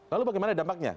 lalu bagaimana dampaknya